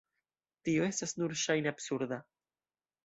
Tio estas nur ŝajne absurda.